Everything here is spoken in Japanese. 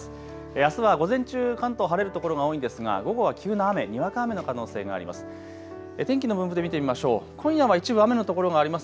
あすは午前中関東晴れる所が多いですが午後は急な雨、にわか雨の可能性があります。